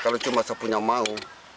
kalau cuma saya punya mau